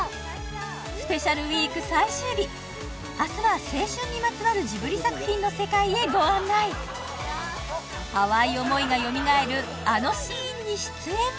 スペシャルウィーク最終日明日は青春にまつわるジブリ作品の世界へご案内淡い思いがよみがえるあのシーンに出演？